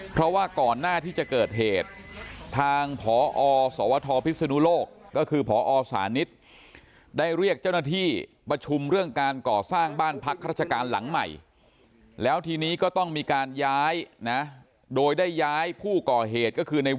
เพราะว่าก่อนหน้าที่จะเกิดเหตุทางหสวทพิษฐุโรคก็คือหสานิท